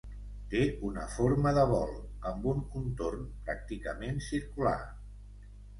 Té una forma de bol, amb un contorn pràcticament circular.